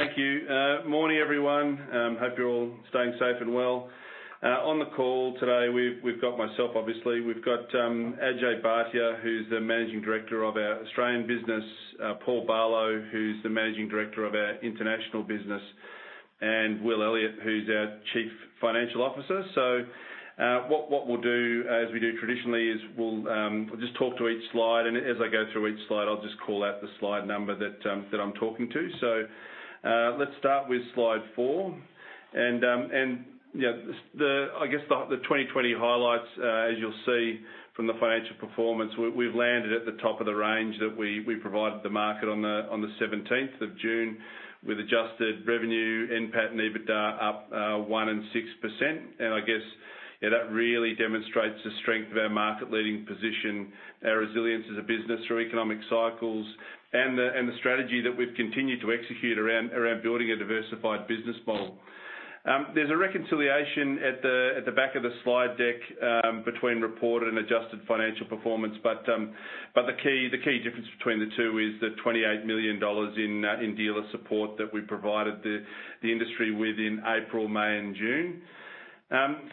Thank you. Morning, everyone. Hope you're all staying safe and well. On the call today, we've got myself, obviously. We've got Ajay Bhatia, who's the Managing Director of our Australian business, Paul Barlow, who's the Managing Director of our international business, and Will Elliott, who's our Chief Financial Officer. What we'll do, as we do traditionally, is we'll just talk to each slide, and as I go through each slide, I'll just call out the slide number that I'm talking to. Let's start with slide 4. I guess the 2020 highlights, as you'll see from the financial performance, we've landed at the top of the range that we provided the market on the 17th of June, with adjusted revenue, NPAT, and EBITDA up 1% and 6%. I guess, that really demonstrates the strength of our market-leading position, our resilience as a business through economic cycles, and the strategy that we've continued to execute around building a diversified business model. There is a reconciliation at the back of the slide deck between reported and adjusted financial performance. The key difference between the two is the 28 million dollars in dealer support that we provided the industry with in April, May, and June.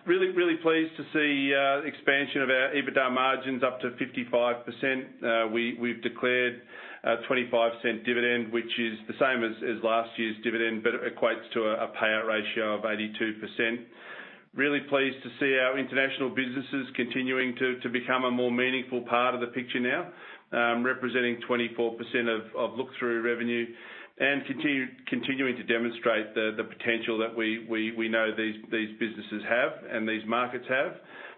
Really pleased to see expansion of our EBITDA margins up to 55%. We have declared an 0.25 dividend, which is the same as last year's dividend, but it equates to a payout ratio of 82%. Really pleased to see our international businesses continuing to become a more meaningful part of the picture now, representing 24% of look-through revenue and continuing to demonstrate the potential that we know these businesses have and these markets have.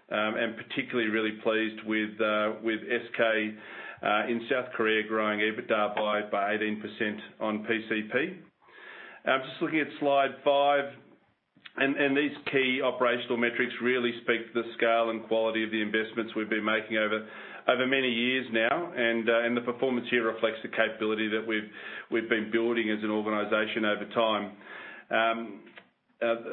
Particularly really pleased with SK in South Korea growing EBITDA by 18% on PCP. Just looking at slide 5, these key operational metrics really speak to the scale and quality of the investments we've been making over many years now, and the performance here reflects the capability that we've been building as an organization over time.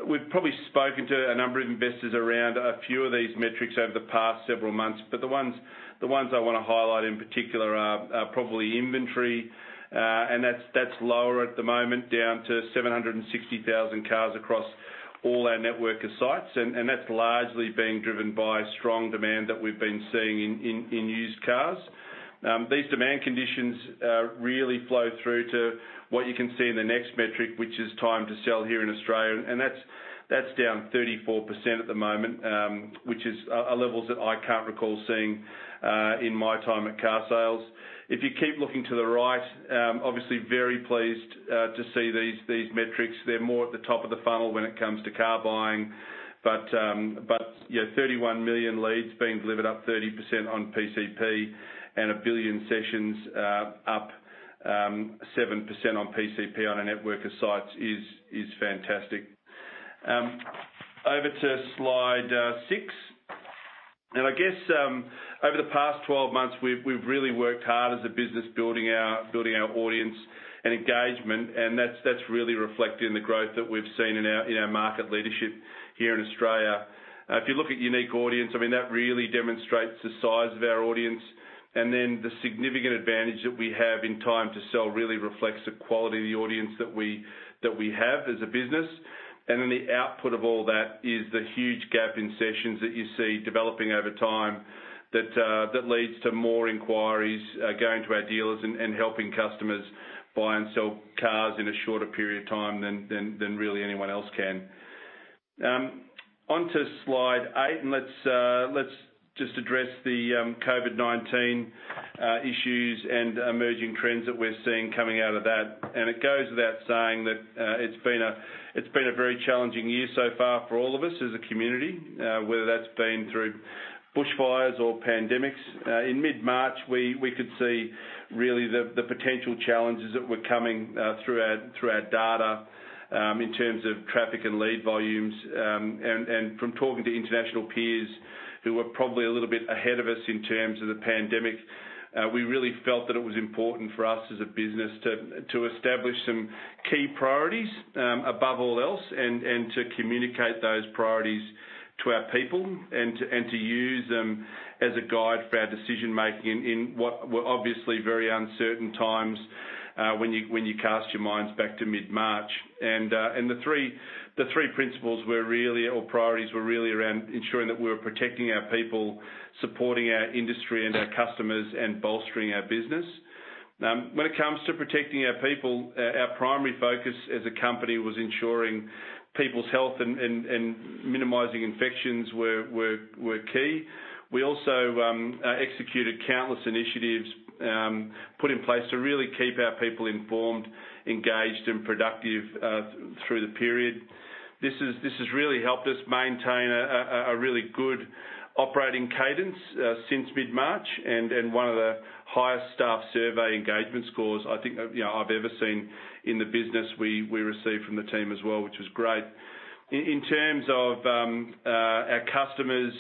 We've probably spoken to a number of investors around a few of these metrics over the past several months, but the ones I want to highlight, in particular, are probably inventory. That's lower at the moment, down to 760,000 cars across all our network of sites. That's largely being driven by strong demand that we've been seeing in used cars. These demand conditions really flow through to what you can see in the next metric, which is time to sell here in Australia. That's down 34% at the moment, which is levels that I can't recall seeing in my time at carsales. If you keep looking to the right, obviously very pleased to see these metrics. They're more at the top of the funnel when it comes to car buying. 31 million leads being delivered up 30% on PCP and one billion sessions up 7% on PCP on our network of sites is fantastic. Over to slide 6. I guess over the past 12 months, we've really worked hard as a business building our audience and engagement, and that's really reflected in the growth that we've seen in our market leadership here in Australia. If you look at unique audience, that really demonstrates the size of our audience. The significant advantage that we have in time to sell really reflects the quality of the audience that we have as a business. The output of all that is the huge gap in sessions that you see developing over time that leads to more inquiries going to our dealers and helping customers buy and sell cars in a shorter period of time than really anyone else can. On to slide 8, let's just address the COVID-19 issues and emerging trends that we're seeing coming out of that. It goes without saying that it's been a very challenging year so far for all of us as a community, whether that's been through bushfires or pandemics. In mid-March, we could see really the potential challenges that were coming through our data in terms of traffic and lead volumes. From talking to international peers who were probably a little bit ahead of us in terms of the pandemic, we really felt that it was important for us as a business to establish some key priorities above all else, to communicate those priorities to our people, and to use them as a guide for our decision-making in what were obviously very uncertain times when you cast your minds back to mid-March. The three principles or priorities were really around ensuring that we were protecting our people, supporting our industry and our customers, and bolstering our business. When it comes to protecting our people, our primary focus as a company was ensuring people's health and minimizing infections were key. We also executed countless initiatives put in place to really keep our people informed, engaged, and productive through the period. This has really helped us maintain a really good operating cadence since mid-March. One of the highest staff survey engagement scores I think I've ever seen in the business we received from the team as well, which was great. In terms of our customers,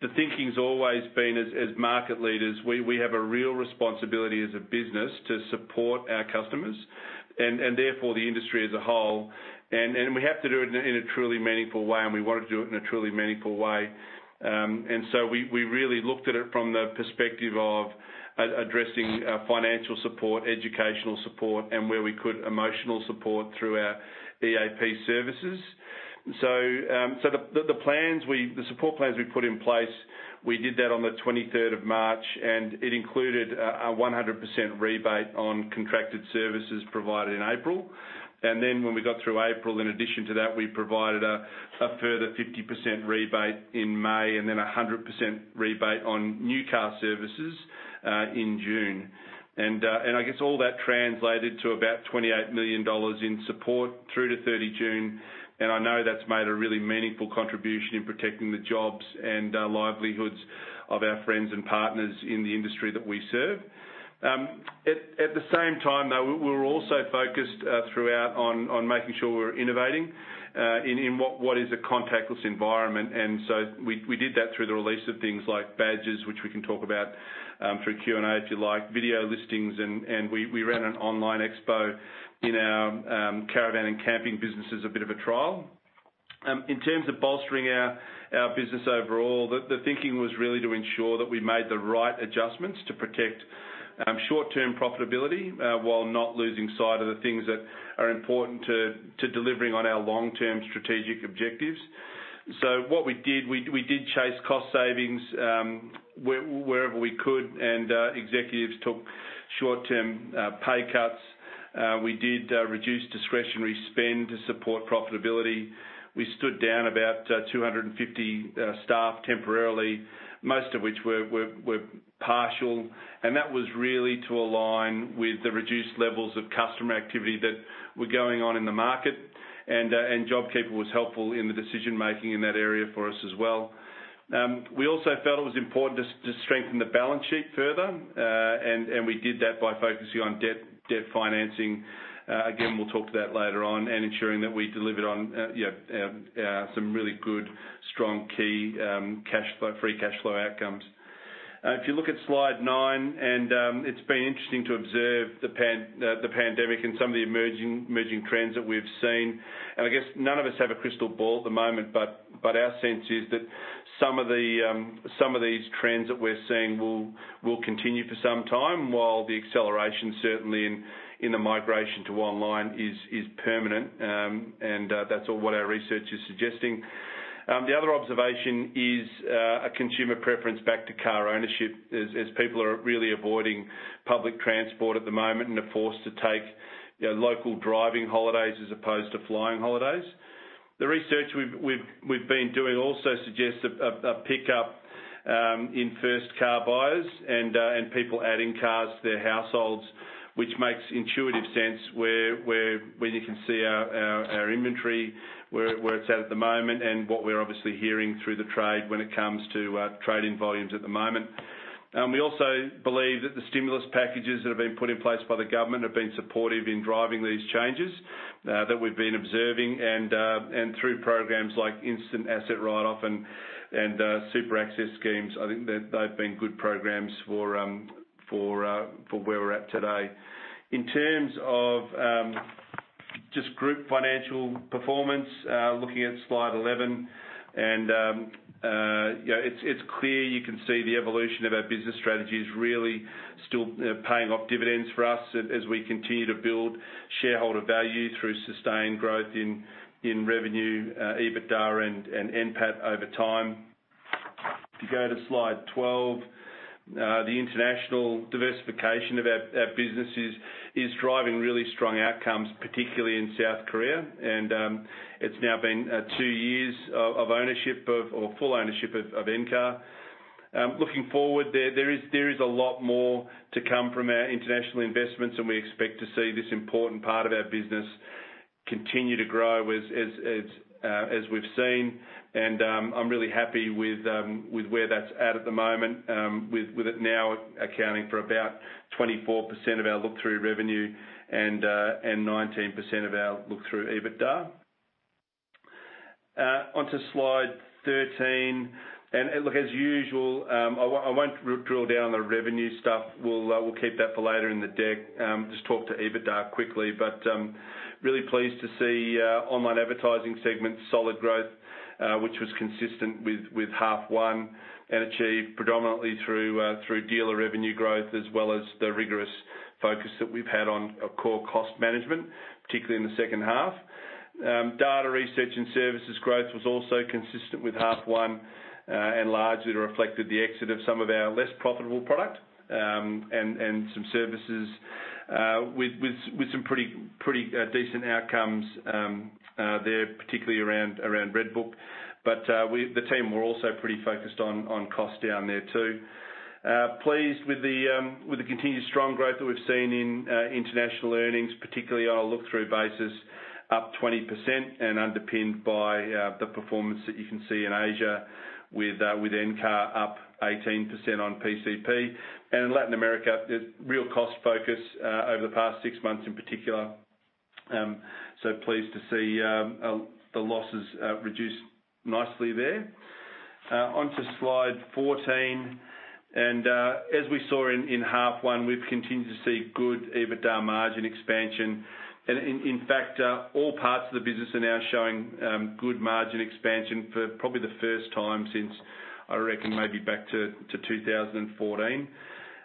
the thinking's always been, as market leaders, we have a real responsibility as a business to support our customers and therefore the industry as a whole. We have to do it in a truly meaningful way, and we want to do it in a truly meaningful way. We really looked at it from the perspective of addressing financial support, educational support, and where we could, emotional support through our EAP services. The support plans we put in place, we did that on the 23rd of March, and it included a 100% rebate on contracted services provided in April. When we got through April, in addition to that, we provided a further 50% rebate in May, 100% rebate on new car services in June. I guess all that translated to about 28 million dollars in support through to 30 June, I know that's made a really meaningful contribution in protecting the jobs and livelihoods of our friends and partners in the industry that we serve. At the same time, though, we were also focused throughout on making sure we were innovating, in what is a contactless environment. We did that through the release of things like badges, which we can talk about through Q&A if you like, video listings, and we ran an online expo in our Caravancampingsales business as a bit of a trial. In terms of bolstering our business overall, the thinking was really to ensure that we made the right adjustments to protect short-term profitability, while not losing sight of the things that are important to delivering on our long-term strategic objectives. What we did, we chased cost savings wherever we could, and executives took short-term pay cuts. We did reduce discretionary spend to support profitability. We stood down about 250 staff temporarily, most of which were partial. That was really to align with the reduced levels of customer activity that were going on in the market. JobKeeper was helpful in the decision-making in that area for us as well. We also felt it was important to strengthen the balance sheet further. We did that by focusing on debt financing. Again, we'll talk to that later on. Ensuring that we delivered on some really good, strong, key free cash flow outcomes. If you look at slide 9, it's been interesting to observe the pandemic and some of the emerging trends that we've seen. I guess none of us have a crystal ball at the moment, but our sense is that some of these trends that we're seeing will continue for some time. While the acceleration, certainly in the migration to online, is permanent. That's what our research is suggesting. The other observation is a consumer preference back to car ownership, as people are really avoiding public transport at the moment and are forced to take local driving holidays as opposed to flying holidays. The research we've been doing also suggests a pickup in first car buyers and people adding cars to their households, which makes intuitive sense when you can see our inventory, where it's at at the moment, and what we're obviously hearing through the trade when it comes to trade-in volumes at the moment. We also believe that the stimulus packages that have been put in place by the government have been supportive in driving these changes that we've been observing. Through programs like instant asset write-off and super access schemes, I think they've been good programs for where we're at today. In terms of just group financial performance, looking at slide 11, it's clear you can see the evolution of our business strategy is really still paying off dividends for us as we continue to build shareholder value through sustained growth in revenue, EBITDA and NPAT over time. If you go to slide 12, the international diversification of our businesses is driving really strong outcomes, particularly in South Korea. It's now been two years of full ownership of Encar. Looking forward, there is a lot more to come from our international investments, and we expect to see this important part of our business continue to grow as we've seen. I'm really happy with where that's at at the moment, with it now accounting for about 24% of our look-through revenue and 19% of our look-through EBITDA. Onto slide 13. Look, as usual, I won't drill down the revenue stuff. We'll keep that for later in the deck. Just talk to EBITDA quickly. Really pleased to see online advertising segment solid growth, which was consistent with half one and achieved predominantly through dealer revenue growth as well as the rigorous focus that we've had on core cost management, particularly in the second half. Data research and services growth was also consistent with half one, and largely reflected the exit of some of our less profitable product, and some services with some pretty decent outcomes there, particularly around RedBook. The team were also pretty focused on cost down there, too. Pleased with the continued strong growth that we've seen in international earnings, particularly on a look-through basis, up 20% and underpinned by the performance that you can see in Asia with Encar up 18% on PCP. In Latin America, there's real cost focus over the past six months in particular. Pleased to see the losses reduced nicely there. Onto slide 14. As we saw in half one, we've continued to see good EBITDA margin expansion. In fact, all parts of the business are now showing good margin expansion for probably the first time since, I reckon, maybe back to 2014.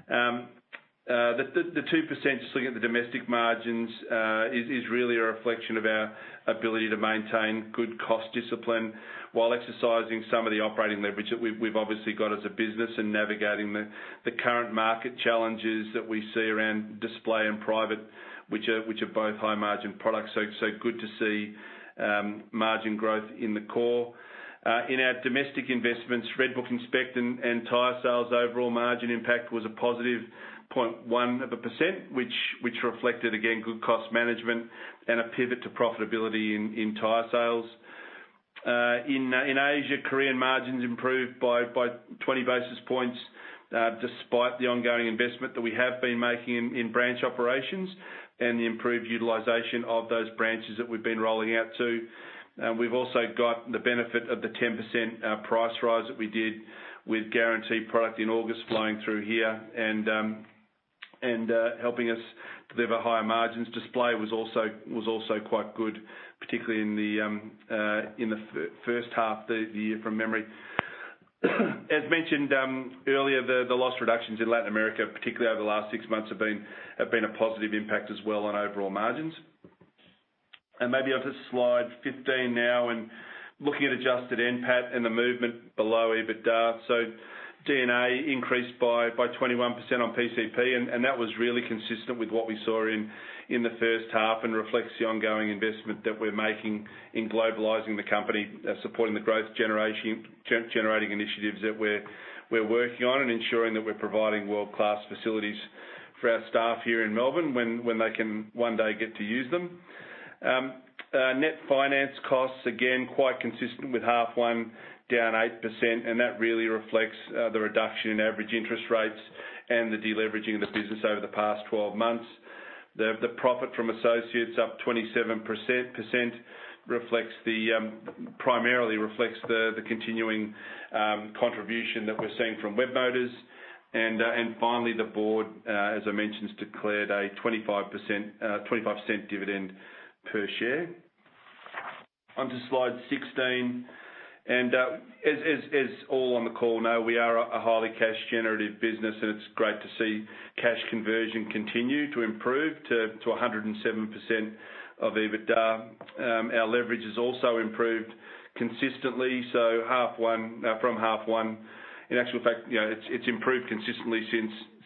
The 2%, just looking at the domestic margins, is really a reflection of our ability to maintain good cost discipline while exercising some of the operating leverage that we've obviously got as a business in navigating the current market challenges that we see around display and private, which are both high-margin products. Good to see margin growth in the core. In our domestic investments, RedBook, Inspect and Tyresales, overall margin impact was a +0.1%, which reflected, again, good cost management and a pivot to profitability in Tyresales. In Asia, Korean margins improved by 20 basis points, despite the ongoing investment that we have been making in branch operations and the improved utilization of those branches that we've been rolling out to. We've also got the benefit of the 10% price rise that we did with guaranteed product in August flowing through here and helping us deliver higher margins. Display was also quite good, particularly in the first half of the year, from memory. As mentioned earlier, the loss reductions in Latin America, particularly over the last six months, have been a positive impact as well on overall margins. Maybe onto slide 15 now, and looking at adjusted NPAT and the movement below EBITDA. D&A increased by 21% on PCP. That was really consistent with what we saw in the first half and reflects the ongoing investment that we're making in globalizing the company, supporting the growth-generating initiatives that we're working on, and ensuring that we're providing world-class facilities for our staff here in Melbourne when they can one day get to use them. Net finance costs, again, quite consistent with half one, down 8%, that really reflects the reduction in average interest rates and the de-leveraging of the business over the past 12 months. The profit from associates up 27% primarily reflects the continuing contribution that we're seeing from Webmotors. Finally, the board, as I mentioned, declared a 0.25 dividend per share. Onto slide 16. As all on the call know, we are a highly cash-generative business, and it's great to see cash conversion continue to improve to 107% of EBITDA. Our leverage has also improved consistently, from half one. In actual fact, it's improved consistently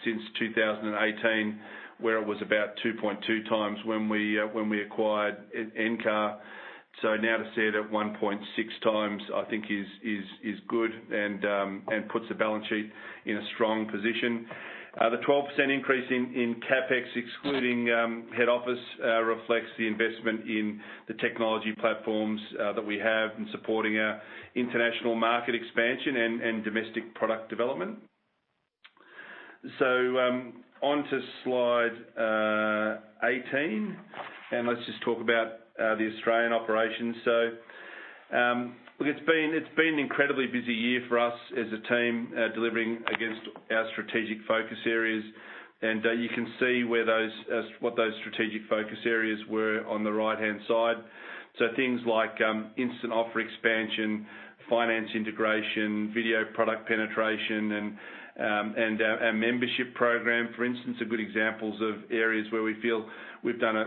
since 2018, where it was about 2.2 times when we acquired Encar. Now to see it at 1.6 times, I think is good and puts the balance sheet in a strong position. The 12% increase in CapEx, excluding head office, reflects the investment in the technology platforms that we have in supporting our international market expansion and domestic product development. Onto slide 18. Let's just talk about the Australian operations. It's been an incredibly busy year for us as a team, delivering against our strategic focus areas. You can see what those strategic focus areas were on the right-hand side. Things like Instant Offer expansion, finance integration, video product penetration, and our membership program, for instance, are good examples of areas where we feel we've done a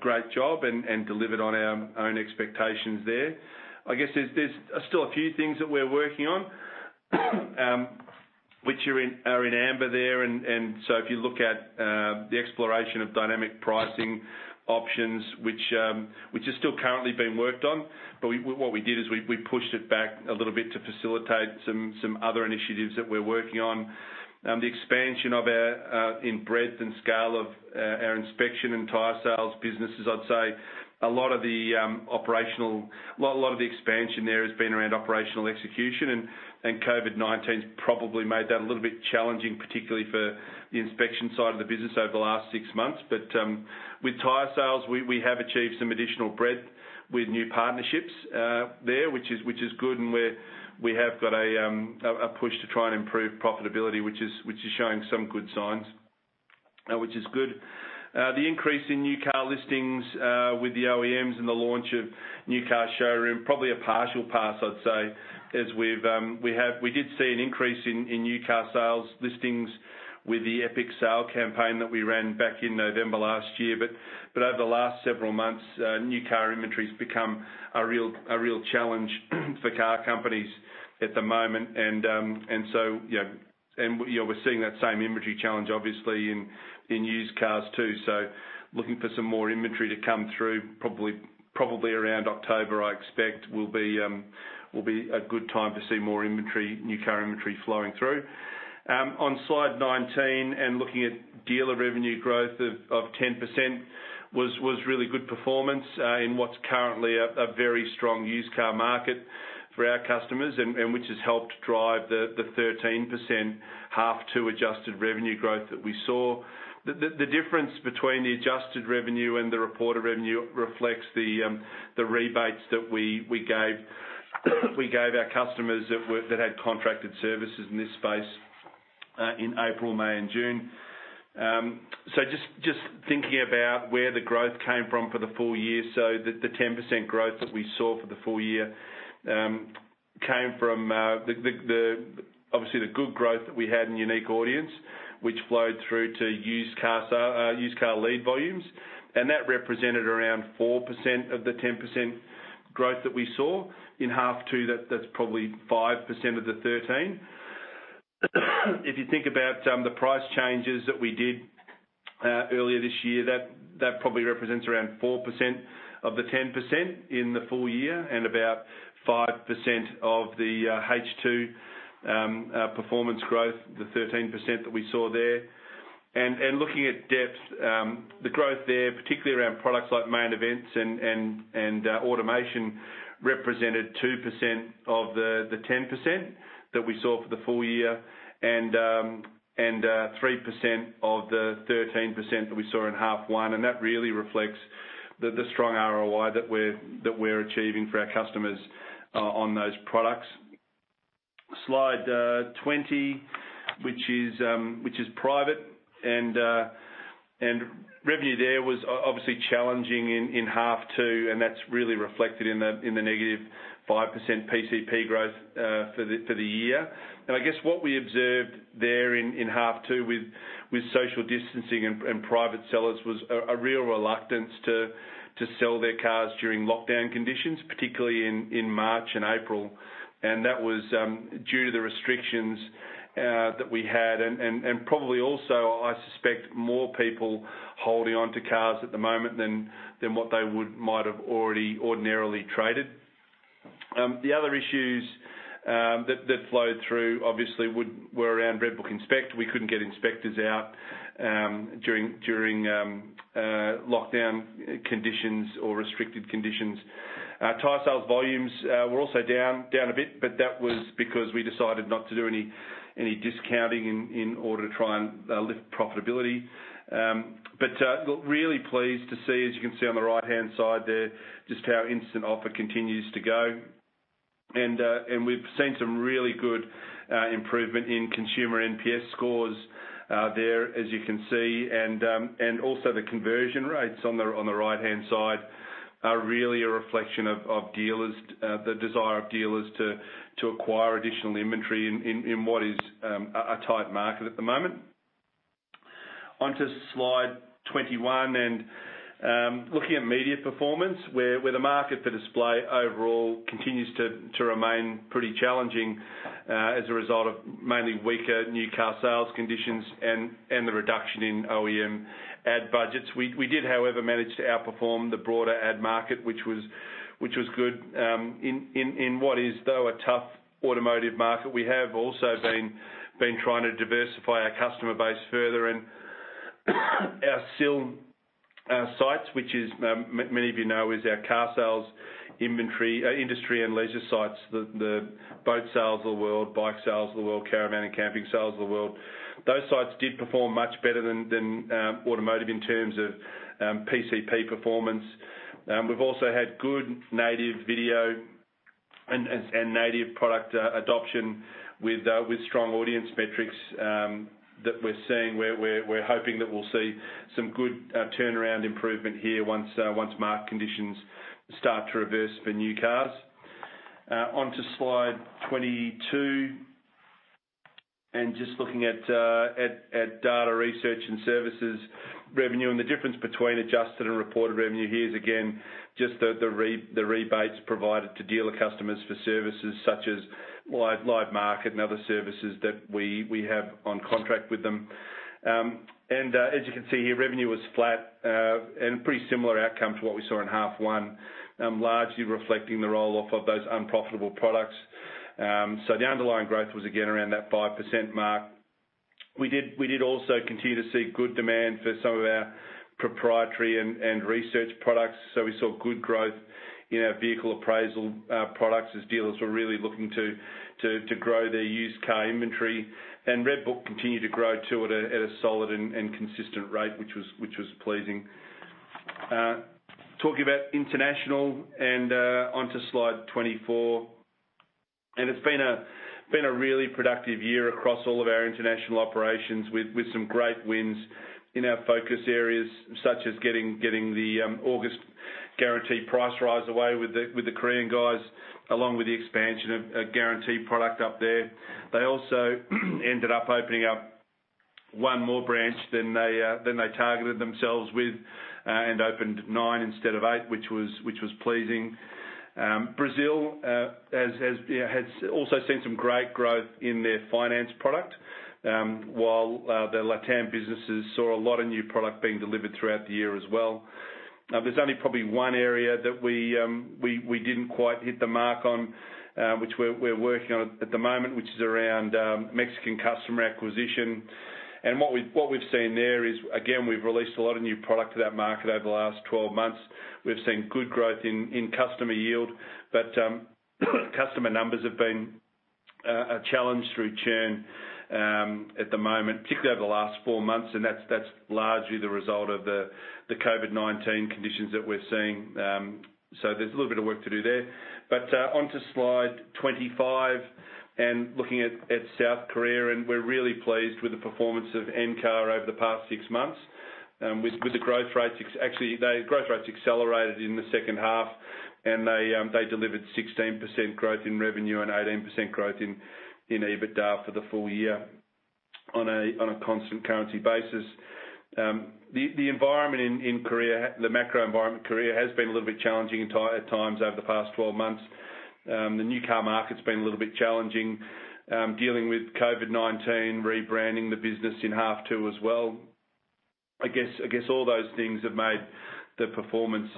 great job and delivered on our own expectations there. I guess there's still a few things that we're working on which are in amber there. If you look at the exploration of dynamic pricing options, which are still currently being worked on, but what we did is we pushed it back a little bit to facilitate some other initiatives that we're working on. The expansion in breadth and scale of our inspection and Tyresales businesses, I'd say a lot of the expansion there has been around operational execution, and COVID-19's probably made that a little bit challenging, particularly for the inspection side of the business over the last six months. With Tyresales, we have achieved some additional breadth with new partnerships there, which is good, and we have got a push to try and improve profitability, which is showing some good signs, which is good. The increase in new car listings with the OEMs and the launch of New Car Showroom, probably a partial pass, I'd say, as we did see an increase in new car sales listings with the Epic Sale campaign that we ran back in November last year. Over the last several months, new car inventory's become a real challenge for car companies at the moment. We're seeing that same inventory challenge obviously in used cars too. Looking for some more inventory to come through, probably around October, I expect, will be a good time to see more new car inventory flowing through. On slide 19, looking at dealer revenue growth of 10% was really good performance in what's currently a very strong used car market for our customers and which has helped drive the 13% half two adjusted revenue growth that we saw. The difference between the adjusted revenue and the reported revenue reflects the rebates that we gave our customers that had contracted services in this space in April, May, and June. Just thinking about where the growth came from for the full year. The 10% growth that we saw for the full year came from obviously the good growth that we had in unique audience, which flowed through to used car lead volumes. That represented around 4% of the 10% growth that we saw. In half two, that's probably 5% of the 13%. If you think about the price changes that we did earlier this year, that probably represents around 4% of the 10% in the full year and about 5% of the H2 performance growth, the 13% that we saw there. Looking at depth, the growth there, particularly around products like Main Events and Automation, represented 2% of the 10% that we saw for the full year and 3% of the 13% that we saw in half one. That really reflects the strong ROI that we're achieving for our customers on those products. Slide 20, which is private and revenue there was obviously challenging in half two and that's really reflected in the -5% PCP growth for the year. I guess what we observed there in H2 with social distancing and private sellers was a real reluctance to sell their cars during lockdown conditions, particularly in March and April. That was due to the restrictions that we had and probably also, I suspect, more people holding onto cars at the moment than what they might have already ordinarily traded. The other issues that flowed through obviously were around RedBook Inspect. We couldn't get inspectors out during lockdown conditions or restricted conditions. Tyresales volumes were also down a bit, but that was because we decided not to do any discounting in order to try and lift profitability. Look, really pleased to see, as you can see on the right-hand side there, just how Instant Offer continues to go. We've seen some really good improvement in consumer NPS scores there, as you can see. Also the conversion rates on the right-hand side are really a reflection of the desire of dealers to acquire additional inventory in what is a tight market at the moment. On to slide 21 and looking at media performance, where the market for display overall continues to remain pretty challenging as a result of mainly weaker new car sales conditions and the reduction in OEM ad budgets. We did, however, manage to outperform the broader ad market, which was good. In what is though a tough automotive market, we have also been trying to diversify our customer base further and our CIL sites, which is, many of you know, is our carsales industry and leisure sites. The Boatsales of the world, Bikesales of the world, Caravancampingsales of the world. Those sites did perform much better than automotive in terms of PCP performance. We've also had good native video and native product adoption with strong audience metrics that we're seeing. We're hoping that we'll see some good turnaround improvement here once market conditions start to reverse for new cars. On to slide 22. Just looking at data research and services revenue and the difference between adjusted and reported revenue here is again just the rebates provided to dealer customers for services such as LiveMarket and other services that we have on contract with them. As you can see here, revenue was flat, and pretty similar outcome to what we saw in half one, largely reflecting the roll-off of those unprofitable products. The underlying growth was again around that 5% mark. We did also continue to see good demand for some of our proprietary and research products. We saw good growth in our vehicle appraisal products as dealers were really looking to grow their used car inventory. RedBook continued to grow too at a solid and consistent rate, which was pleasing. Talking about international and on to slide 24. It's been a really productive year across all of our international operations with some great wins in our focus areas, such as getting the August Guaranteed price rise away with the Korean guys, along with the expansion of Guaranteed product up there. They also ended up opening up one more branch than they targeted themselves with and opened nine instead of eight, which was pleasing. Brazil has also seen some great growth in their finance product, while the Latam businesses saw a lot of new product being delivered throughout the year as well. There's only probably one area that we didn't quite hit the mark on, which we're working on at the moment, which is around Mexican customer acquisition. What we've seen there is, again, we've released a lot of new product to that market over the last 12 months. We've seen good growth in customer yield, but customer numbers have been a challenge through churn at the moment, particularly over the last four months. That's largely the result of the COVID-19 conditions that we're seeing. There's a little bit of work to do there. On to slide 25. Looking at South Korea, we're really pleased with the performance of Encar over the past six months. Actually, their growth rates accelerated in the second half, and they delivered 16% growth in revenue and 18% growth in EBITDA for the full year on a constant currency basis. The macro environment in Korea has been a little bit challenging at times over the past 12 months. The new car market's been a little bit challenging, dealing with COVID-19, rebranding the business in H2 as well. I guess all those things have made the performance,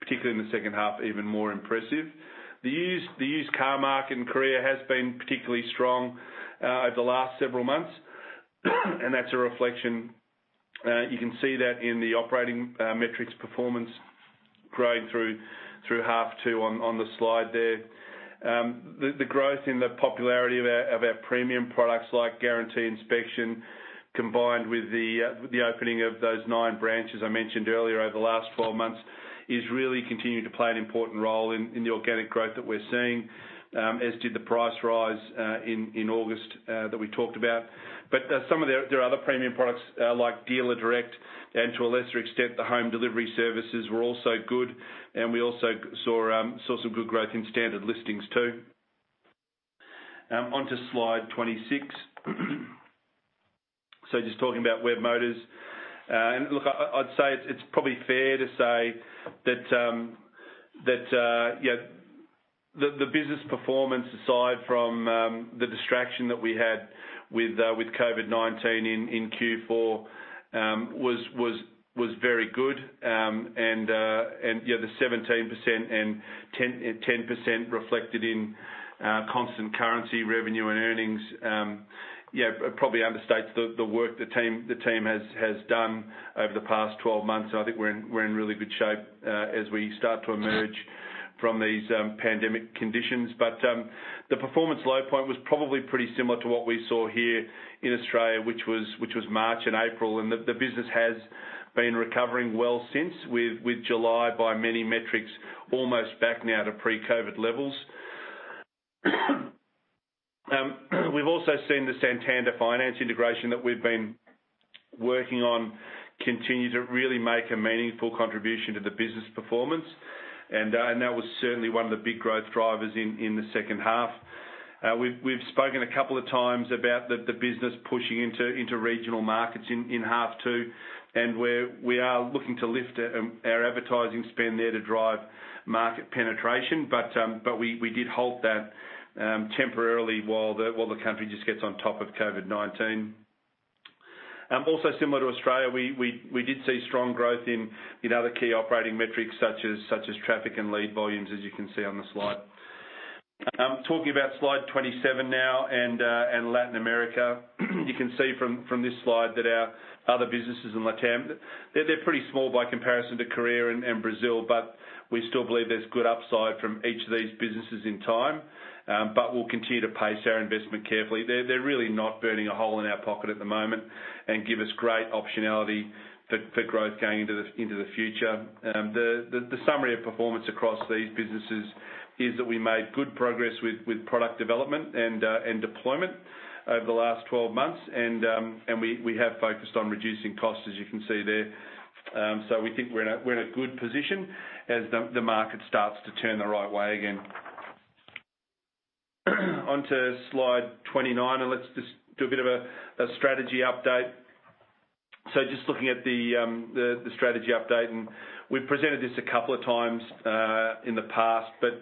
particularly in the second half, even more impressive. The used car market in Korea has been particularly strong over the last several months. That's a reflection. You can see that in the operating metrics performance growing through H2 on the slide there. The growth in the popularity of our premium products, like Guarantee inspection, combined with the opening of those nine branches I mentioned earlier over the last 12 months, is really continuing to play an important role in the organic growth that we're seeing, as did the price rise in August that we talked about. Some of their other premium products, like Dealer Direct and, to a lesser extent, the home delivery services, were also good. We also saw some good growth in standard listings, too. Onto slide 26. Just talking about Webmotors. Look, I'd say it's probably fair to say that the business performance, aside from the distraction that we had with COVID-19 in Q4, was very good. The 17% and 10% reflected in constant currency revenue and earnings probably understates the work the team has done over the past 12 months. I think we're in really good shape as we start to emerge from these pandemic conditions. The performance low point was probably pretty similar to what we saw here in Australia, which was March and April, and the business has been recovering well since, with July by many metrics almost back now to pre-COVID levels. We've also seen the Santander finance integration that we've been working on continue to really make a meaningful contribution to the business performance. That was certainly one of the big growth drivers in the second half. We've spoken a couple of times about the business pushing into regional markets in half 2. We are looking to lift our advertising spend there to drive market penetration. We did halt that temporarily while the country just gets on top of COVID-19. Also similar to Australia, we did see strong growth in other key operating metrics, such as traffic and lead volumes, as you can see on the slide. Talking about slide 27 now and Latin America. You can see from this slide that our other businesses in LatAm, they're pretty small by comparison to Korea and Brazil, we still believe there's good upside from each of these businesses in time. We'll continue to pace our investment carefully. They're really not burning a hole in our pocket at the moment, give us great optionality for growth going into the future. The summary of performance across these businesses is that we made good progress with product development and deployment over the last 12 months, we have focused on reducing costs, as you can see there. We think we're in a good position as the market starts to turn the right way again. Onto slide 29, let's just do a bit of a strategy update. Just looking at the strategy update, and we've presented this a couple of times in the past, but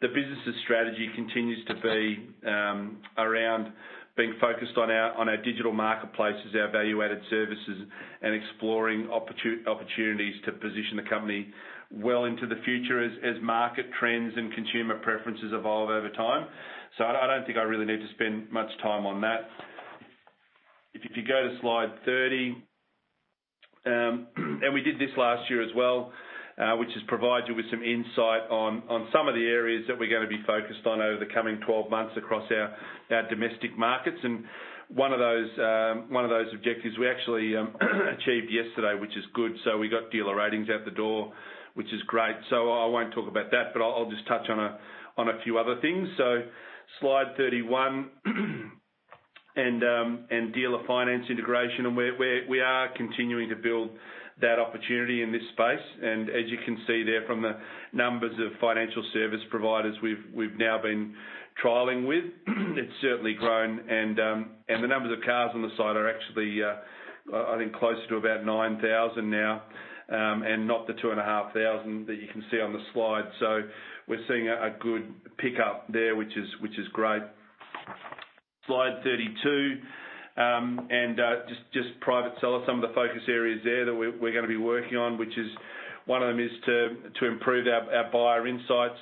the business's strategy continues to be around being focused on our digital marketplace as our value-added services and exploring opportunities to position the company well into the future as market trends and consumer preferences evolve over time. I don't think I really need to spend much time on that. If you go to slide 30, and we did this last year as well, which is provide you with some insight on some of the areas that we're going to be focused on over the coming 12 months across our domestic markets. One of those objectives we actually achieved yesterday, which is good. We got dealer ratings out the door, which is great. I won't talk about that, but I'll just touch on a few other things. Slide 31, dealer finance integration, we are continuing to build that opportunity in this space. As you can see there from the numbers of financial service providers we've now been trialing with, it's certainly grown. The numbers of cars on the site are actually, I think, closer to about 9,000 now, not the 2,500 that you can see on the slide. We're seeing a good pickup there, which is great. Slide 32. Just private seller, some of the focus areas there that we're going to be working on, which is, one of them is to improve our buyer insights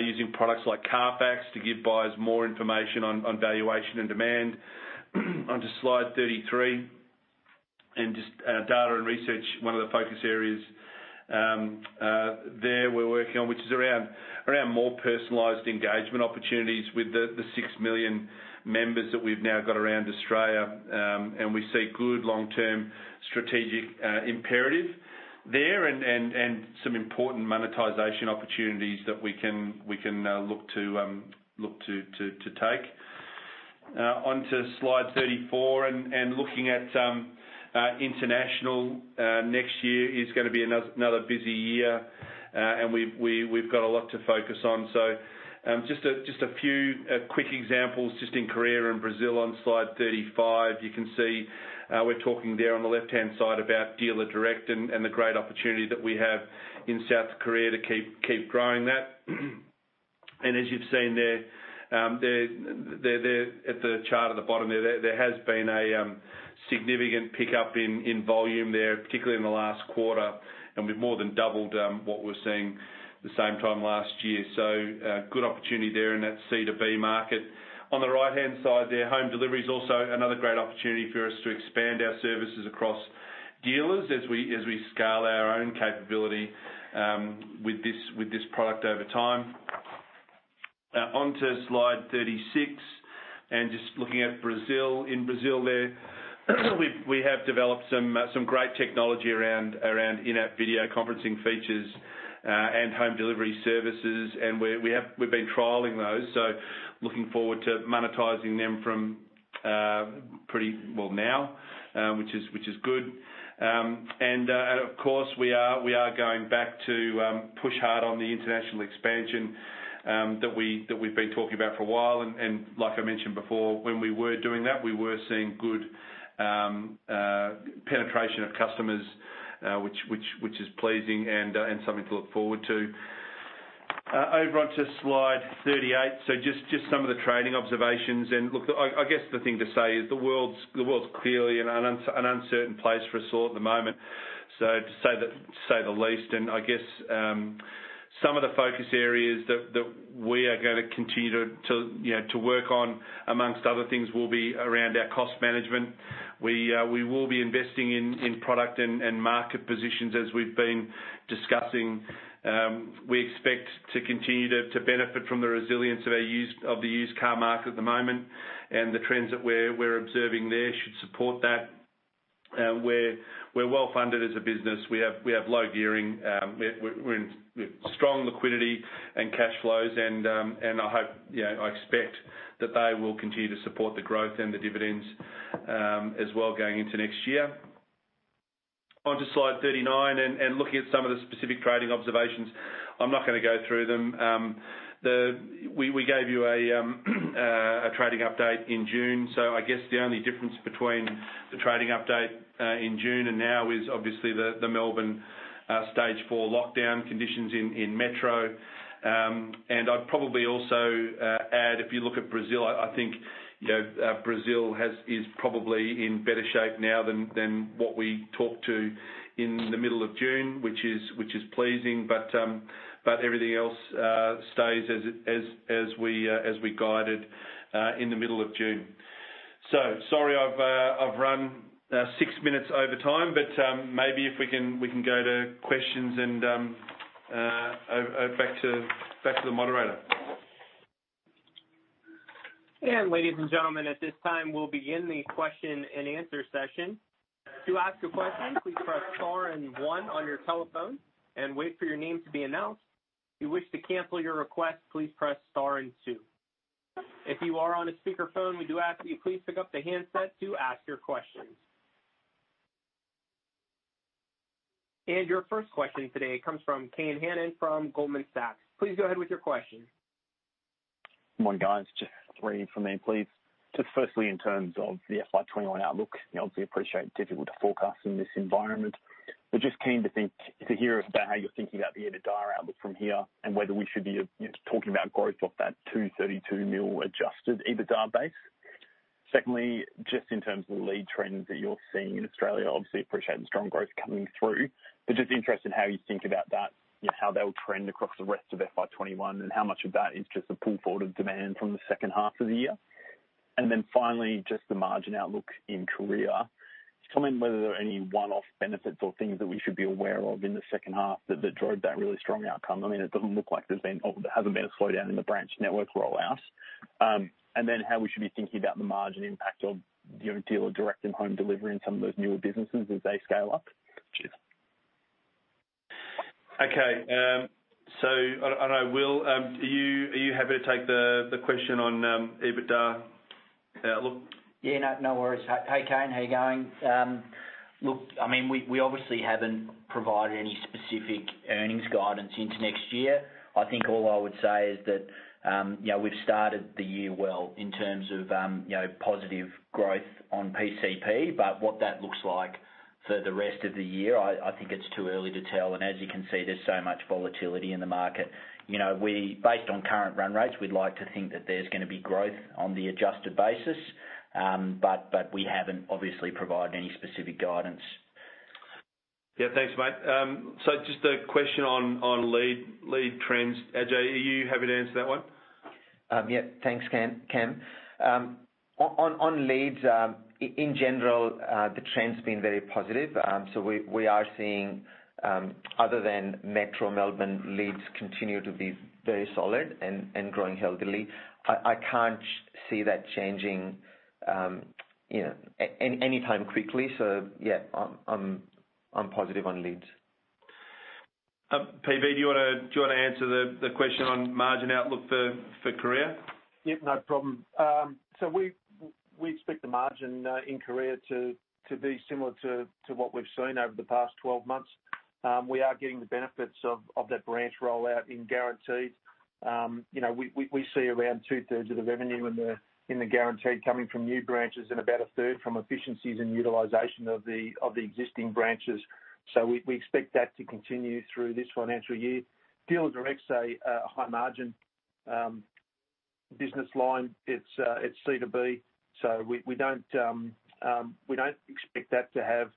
using products like CarFacts to give buyers more information on valuation and demand. Onto slide 33. Just data and research, one of the focus areas there we're working on, which is around more personalized engagement opportunities with the 6 million members that we've now got around Australia, and we see good long-term strategic imperative there and some important monetization opportunities that we can look to take. Onto slide 34, Looking at international. Next year is going to be another busy year, and we've got a lot to focus on. Just a few quick examples, just in Korea and Brazil on slide 35. You can see we're talking there on the left-hand side about Dealer Direct and the great opportunity that we have in South Korea to keep growing that. As you've seen there, at the chart at the bottom there has been a significant pickup in volume there, particularly in the last quarter, and we've more than doubled what we were seeing the same time last year. A good opportunity there in that C2B market. On the right-hand side there, home delivery is also another great opportunity for us to expand our services across dealers as we scale our own capability with this product over time. Onto slide 36, just looking at Brazil. In Brazil there, we have developed some great technology around in-app video conferencing features and home delivery services, and we've been trialing those. Looking forward to monetizing them from pretty well now, which is good. Of course, we are going back to push hard on the international expansion that we've been talking about for a while. Like I mentioned before, when we were doing that, we were seeing good penetration of customers, which is pleasing and something to look forward to. Over onto slide 38, just some of the trading observations. Look, I guess the thing to say is the world's clearly an uncertain place for us all at the moment, to say the least. I guess, some of the focus areas that we are going to continue to work on, amongst other things, will be around our cost management. We will be investing in product and market positions as we've been discussing. We expect to continue to benefit from the resilience of the used car market at the moment, and the trends that we're observing there should support that. We're well-funded as a business. We have low gearing. We're in strong liquidity and cash flows. I expect that they will continue to support the growth and the dividends as well, going into next year. Onto slide 39, looking at some of the specific trading observations. I'm not going to go through them. We gave you a trading update in June. I guess the only difference between the trading update in June and now is obviously the Melbourne Stage four lockdown conditions in Metro. I'd probably also add, if you look at Brazil, I think Brazil is probably in better shape now than what we talked to in the middle of June, which is pleasing. Everything else stays as we guided in the middle of June. Sorry I've run six minutes over time, but maybe if we can go to questions and over back to the moderator. Ladies and gentlemen, at this time, we'll begin the question and answer session. To ask a question, please press star one on your telephone and wait for your name to be announced. If you wish to cancel your request, please press star two. If you are on a speakerphone, we do ask that you please pick up the handset to ask your questions. Your first question today comes from Kane Hannan from Goldman Sachs. Please go ahead with your question. Morning, guys, just three from me, please. Just firstly, in terms of the FY 2021 outlook, obviously appreciate difficult to forecast in this environment, but just keen to hear about how you're thinking about the EBITDA outlook from here and whether we should be talking about growth off that 232 million adjusted EBITDA base. Secondly, just in terms of the lead trends that you're seeing in Australia, obviously appreciate the strong growth coming through, but just interested in how you think about that, how that will trend across the rest of FY 2021, and how much of that is just a pull forward of demand from the second half of the year. Finally, just the margin outlook in Korea. Can you comment whether there are any one-off benefits or things that we should be aware of in the second half that drove that really strong outcome? It doesn't look like there hasn't been a slowdown in the branch network rollout. How we should be thinking about the margin impact of Dealer Direct and home delivery in some of those newer businesses as they scale up. Cheers. Okay. I know, Will, are you happy to take the question on EBITDA outlook? Yeah, no worries. Hey, Kane, how you going? Look, we obviously haven't provided any specific earnings guidance into next year. I think all I would say is that we've started the year well in terms of positive growth on PCP. What that looks like for the rest of the year, I think it's too early to tell. As you can see, there's so much volatility in the market. Based on current run rates, we'd like to think that there's going to be growth on the adjusted basis, but we haven't obviously provided any specific guidance. Yeah. Thanks, mate. Just a question on lead trends. Ajay, are you happy to answer that one? Thanks, Cam. On leads, in general, the trend's been very positive. We are seeing, other than Metro Melbourne, leads continue to be very solid and growing healthily. I can't see that changing anytime quickly. Yeah, I'm positive on leads. P. B., do you want to answer the question on margin outlook for Korea? Yep, no problem. We expect the margin in Korea to be similar to what we've seen over the past 12 months. We are getting the benefits of that branch rollout in Guaranteed. We see around two-thirds of the revenue in the Guaranteed coming from new branches and about a third from efficiencies and utilization of the existing branches. We expect that to continue through this financial year. Dealers Direct's a high-margin business line. It's C2B, we don't expect that to have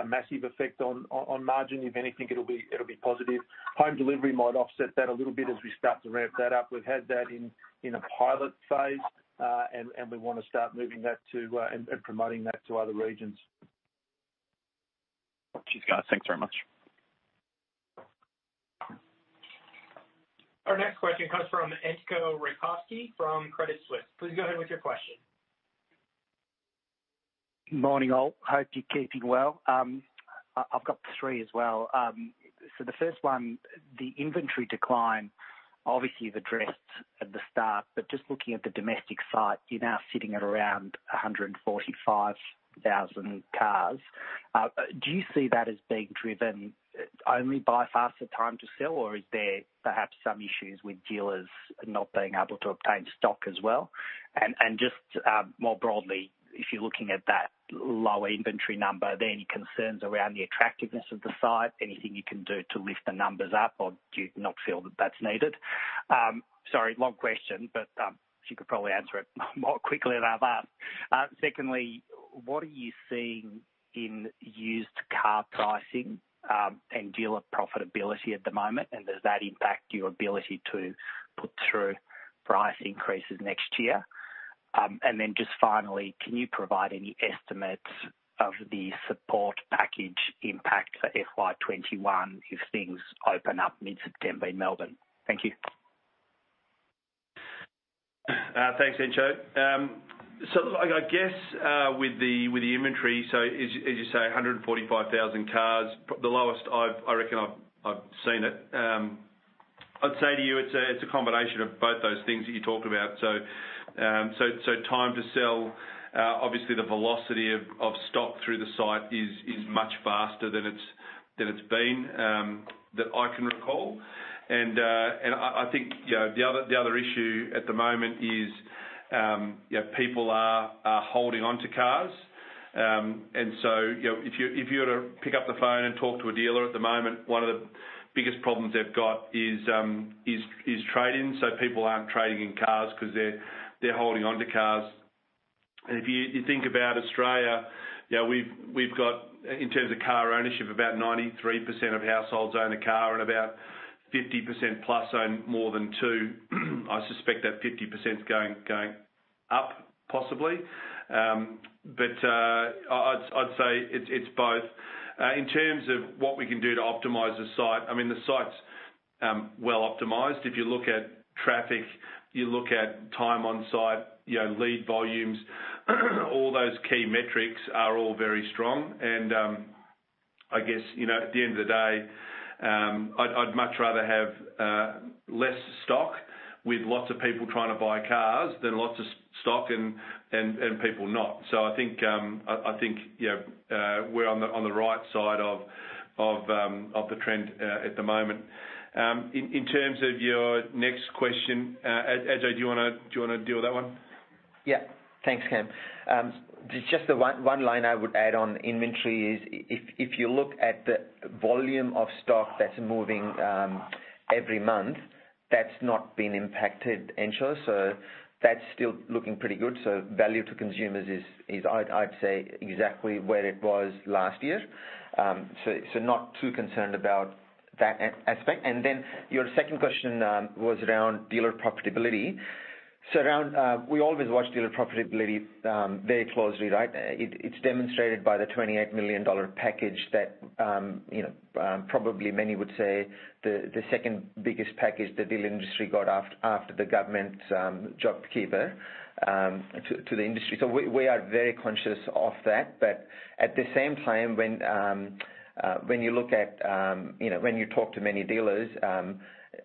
a massive effect on margin. If anything, it'll be positive. Home delivery might offset that a little bit as we start to ramp that up. We've had that in a pilot phase, we want to start moving that and promoting that to other regions. Cheers, guys. Thanks very much. Our next question comes from Entcho Raykovski from Credit Suisse. Please go ahead with your question. Morning, all. Hope you're keeping well. I've got three as well. The first one, the inventory decline, obviously you've addressed at the start, but just looking at the domestic site, you're now sitting at around 145,000 cars. Do you see that as being driven only by faster time to sell, or is there perhaps some issues with dealers not being able to obtain stock as well? Just more broadly, if you're looking at that lower inventory number, are there any concerns around the attractiveness of the site? Anything you can do to lift the numbers up, or do you not feel that that's needed? Sorry, long question, but you could probably answer it more quickly than I've asked. Secondly, what are you seeing in used car pricing and dealer profitability at the moment, and does that impact your ability to put through price increases next year? Just finally, can you provide any estimates of the support package impact for FY 2021 if things open up mid-September in Melbourne? Thank you. Thanks, Entcho. I guess with the inventory, as you say, 145,000 cars, the lowest I reckon I've seen it. I'd say to you, it's a combination of both those things that you talked about. Time to sell, obviously the velocity of stock through the site is much faster than it's been, that I can recall. I think the other issue at the moment is people are holding onto cars. If you were to pick up the phone and talk to a dealer at the moment, one of the biggest problems they've got is trade-ins. People aren't trading in cars because they're holding onto cars. If you think about Australia, we've got, in terms of car ownership, about 93% of households own a car and about 50% plus own more than two. I suspect that 50%'s going up, possibly. I'd say it's both. In terms of what we can do to optimize the site, I mean, the site's well optimized. If you look at traffic, you look at time on site, lead volumes, all those key metrics are all very strong. I guess, at the end of the day, I'd much rather have less stock with lots of people trying to buy cars than lots of stock and people not. I think we're on the right side of the trend at the moment. In terms of your next question, Ajay, do you want to deal with that one? Yeah. Thanks, Cam. Just one line I would add on inventory is if you look at the volume of stock that's moving every month, that's not been impacted, Entcho. That's still looking pretty good. Value to consumers is, I'd say, exactly where it was last year. Not too concerned about that aspect. Your second question was around dealer profitability. We always watch dealer profitability very closely, right? It's demonstrated by the 28 million dollar package that probably many would say the second-biggest package the dealer industry got after the government's JobKeeper to the industry. We are very conscious of that. At the same time, when you talk to many dealers,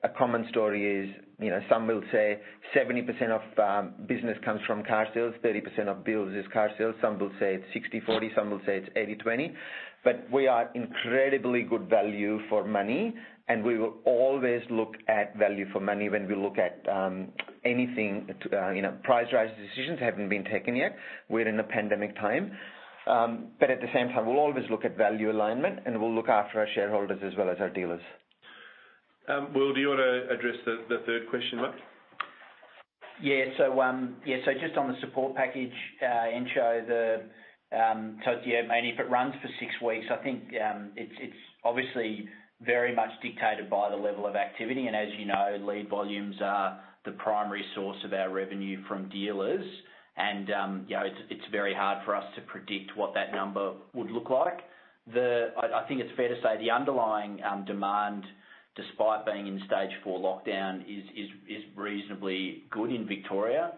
a common story is some will say 70% of business comes from carsales, 30% of bills is carsales. Some will say it's 60/40, some will say it's 80/20. We are incredibly good value for money, and we will always look at value for money when we look at anything. Price rise decisions haven't been taken yet. We're in a pandemic time. At the same time, we'll always look at value alignment, and we'll look after our shareholders as well as our dealers. Will, do you want to address the third question, mate? Just on the support package, Entcho, if it runs for six weeks, I think it's obviously very much dictated by the level of activity. As you know, lead volumes are the primary source of our revenue from dealers. It's very hard for us to predict what that number would look like. I think it's fair to say the underlying demand, despite being in Stage four lockdown, is reasonably good in Victoria,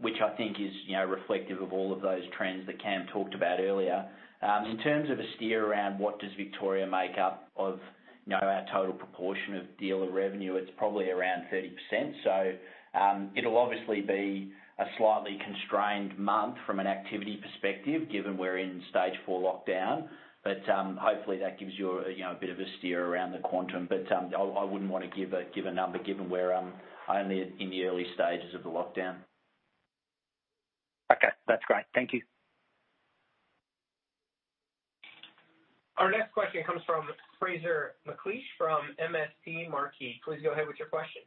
which I think is reflective of all of those trends that Cam talked about earlier. In terms of a steer around what does Victoria make up of our total proportion of dealer revenue, it's probably around 30%. It'll obviously be a slightly constrained month from an activity perspective, given we're in Stage four lockdown. Hopefully that gives you a bit of a steer around the quantum. I wouldn't want to give a number given we're only in the early stages of the lockdown. Okay. That's great. Thank you. Our next question comes from Fraser McLeish from MST Marquee. Please go ahead with your question.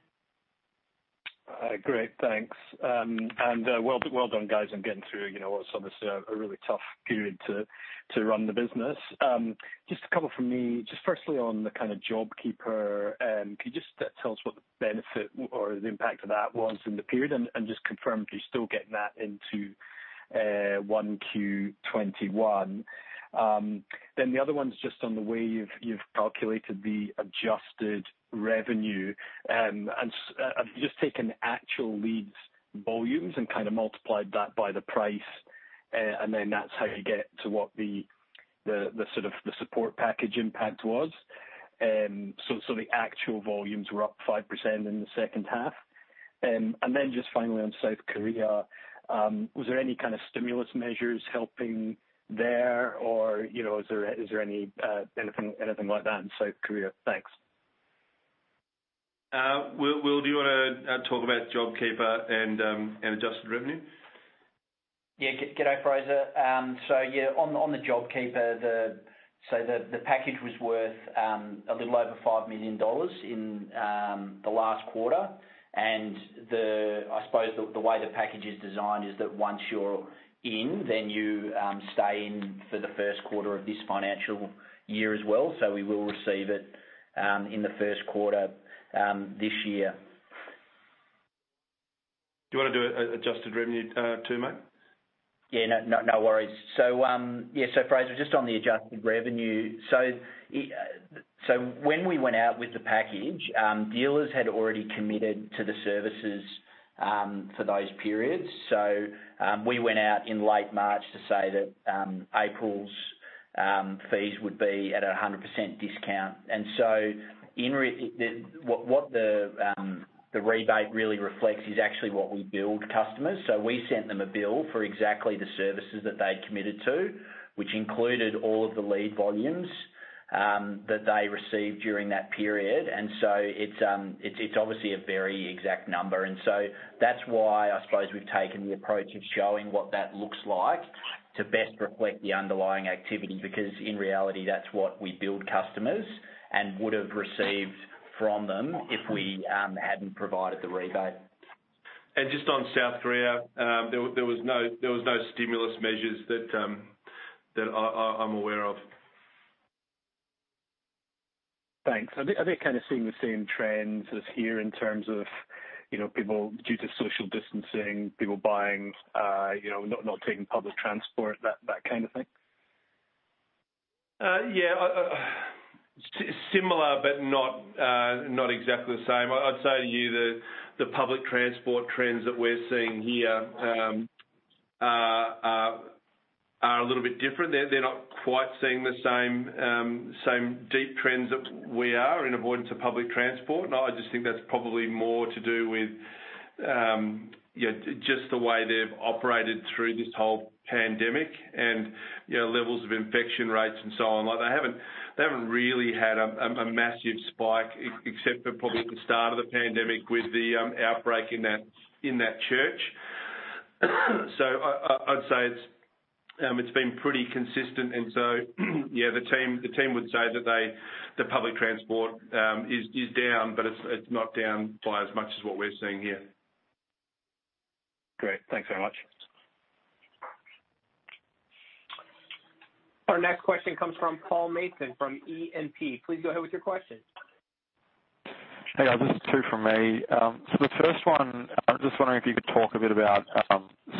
Well done, guys, on getting through what's obviously a really tough period to run the business. Just a couple from me. Just firstly on the kind of JobKeeper, can you just tell us what the benefit or the impact of that was in the period, and just confirm if you're still getting that into 1Q21? The other one's just on the way you've calculated the adjusted revenue. Have you just taken the actual leads volumes and kind of multiplied that by the price, and then that's how you get to what the sort of the support package impact was? The actual volumes were up 5% in the second half. Just finally on South Korea, was there any kind of stimulus measures helping there, or is there anything like that in South Korea? Thanks. Will, do you want to talk about JobKeeper and adjusted revenue? G'day, Fraser. On the JobKeeper, the package was worth a little over 5 million dollars in the last quarter. I suppose the way the package is designed is that once you're in, then you stay in for the first quarter of this financial year as well. We will receive it in the first quarter this year. Do you want to do adjusted revenue too, mate? Yeah. No worries. Fraser, just on the adjusted revenue, when we went out with the package, dealers had already committed to the services for those periods. We went out in late March to say that April's fees would be at 100% discount. What the rebate really reflects is actually what we billed customers. We sent them a bill for exactly the services that they'd committed to, which included all of the lead volumes that they received during that period. It's obviously a very exact number. That's why I suppose we've taken the approach of showing what that looks like to best reflect the underlying activity, because in reality, that's what we billed customers and would've received from them if we hadn't provided the rebate. Just on South Korea, there was no stimulus measures that I'm aware of. Thanks. Are they kind of seeing the same trends as here in terms of people, due to social distancing, people buying, not taking public transport, that kind of thing? Yeah. Similar, but not exactly the same. I'd say to you the public transport trends that we're seeing here are a little bit different. They're not quite seeing the same deep trends that we are in avoidance of public transport. I just think that's probably more to do with just the way they've operated through this whole pandemic and levels of infection rates and so on. Like, they haven't really had a massive spike except for probably at the start of the pandemic with the outbreak in that church. I'd say it's been pretty consistent. The team would say that the public transport is down, but it's not down by as much as what we're seeing here. Great. Thanks very much. Our next question comes from Paul Mason from E&P. Please go ahead with your question. Hey, guys. Just two from me. The first one, I'm just wondering if you could talk a bit about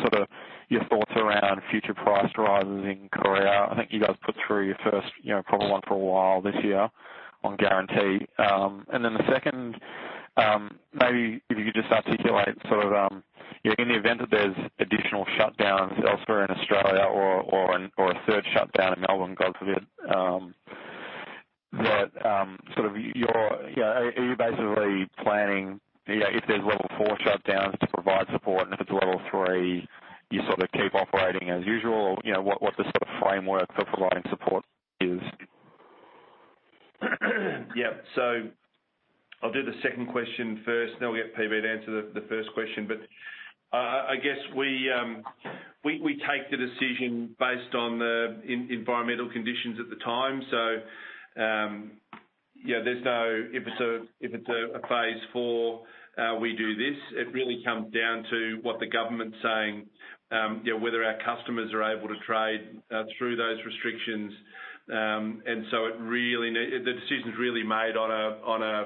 sort of your thoughts around future price rises in Korea. I think you guys put through your first proper one for a while this year on Guarantee. The second, maybe if you could just articulate sort of, in the event that there's additional shutdowns elsewhere in Australia or a third shutdown in Melbourne, God forbid, are you basically planning if there's level four shutdowns to provide support, and if it's a level three, you sort of keep operating as usual? What the sort of framework for providing support is? Yeah. I'll do the second question first, then we'll get PB to answer the first question. I guess we take the decision based on the environmental conditions at the time. If it's a Stage four, we do this. It really comes down to what the government's saying, whether our customers are able to trade through those restrictions. The decision's really made on a